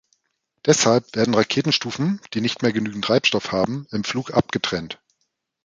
Deshalb werden Raketenstufen, die nicht mehr genügend Treibstoff haben, im Flug abgetrennt.